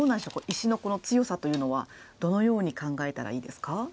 石の強さというのはどのように考えたらいいですか？